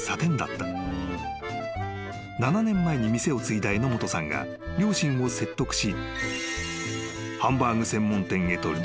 ［７年前に店を継いだ榎本さんが両親を説得し］